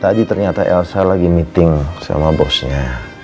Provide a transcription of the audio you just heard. tadi ternyata elsa lagi meeting sama bosnya